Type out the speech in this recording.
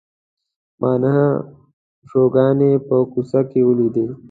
ما نهه پیشوګانې په کوڅه کې ولیدې.